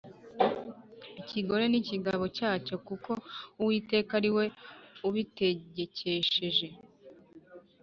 Ikigore ni ikigabo cyacyo kuko Uwiteka ari we ubitegekesheje